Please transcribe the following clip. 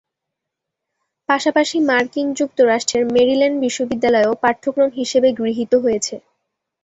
পাশাপাশি মার্কিন যুক্তরাষ্ট্রের মেরিল্যান্ড বিশ্ববিদ্যালয়েও পাঠ্যক্রম হিসাবে গৃহীত হয়েছে।